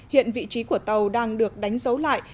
hiện vị trí của tàu đang được đánh dấu lại